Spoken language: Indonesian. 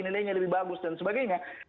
nilainya lebih bagus dan sebagainya